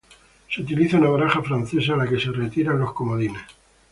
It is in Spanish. Se utiliza una baraja francesa a la que se le retiran los comodines.